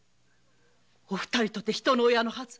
お二人とて人の親のはず。